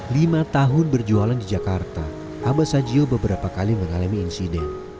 lima tahun berjualan di jakarta abah sajio beberapa kali mengalami insiden